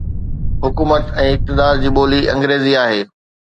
حڪومت ۽ اقتدار جي ٻولي انگريزي آهي.